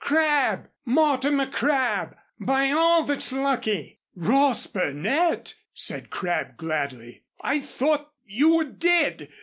"Crabb! Mortimer Crabb! By all that's lucky!" "Ross Burnett!" said Crabb, gladly. "I thought that you were dead.